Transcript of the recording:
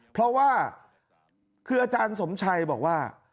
เพราะว่าคืออาจารย์สมชัยบอกว่า